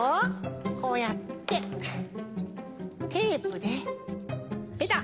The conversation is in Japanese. こうやってテープでペタッ。